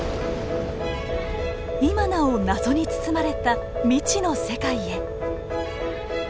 今なお謎に包まれた未知の世界へ。